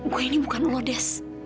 gua ini bukan uloh des